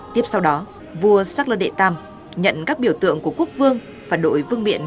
tiếp sau đó vua shackler đệ tam nhận các biểu tượng của quốc vương và đội vương miện